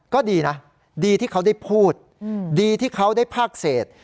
ก็ดีนะดีที่เขาได้พูดดีที่เขาได้ภาคเศษ